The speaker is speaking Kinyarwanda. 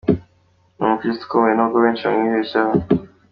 Ni umukristu ukomeye nubwo benshi bamwibeshyaho.